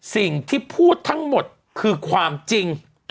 สิ่งที่พูดทั้งหมดคือความจริง